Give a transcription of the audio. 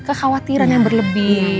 kekhawatiran yang berlebih